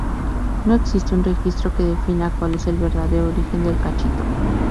No existe un registro que defina cuál es el verdadero origen del cachito.